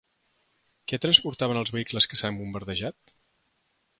Què transportaven els vehicles que s'han bombardejat?